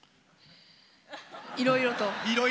いろいろと。